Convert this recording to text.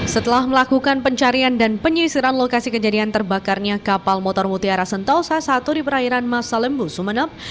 setelah melakukan pencarian dan penyisiran lokasi kejadian terbakarnya kapal motor mutiara sentosa satu di perairan masalembu sumanep